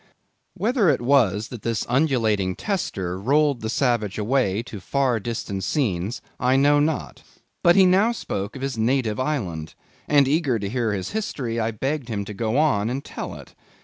Whether it was that this undulating tester rolled the savage away to far distant scenes, I know not, but he now spoke of his native island; and, eager to hear his history, I begged him to go on and tell it.